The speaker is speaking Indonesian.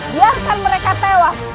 biarkan mereka tewas